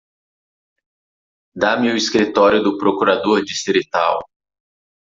Dá-me o escritório do Procurador Distrital.